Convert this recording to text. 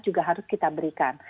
juga harus kita berikan